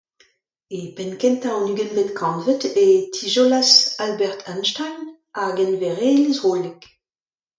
E penn kentañ an ugenvet kantved e tizoloas Albert Einstein ar geñverelezh hollek.